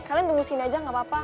kalian tunggu sini aja gak apa apa